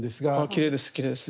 きれいですきれいです。